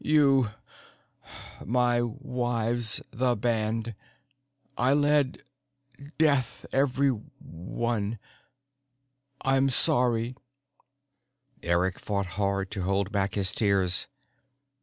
You my wives the band. I led death everyone. I'm sorry." Eric fought hard to hold back his tears.